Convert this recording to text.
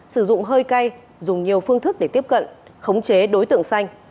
sử dụng hơi cay dùng nhiều phương thức để tiếp cận khống chế đối tượng xanh